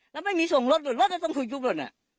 และไม่มีส่งรถหรือรถต้องถูกยุบรถน่ะ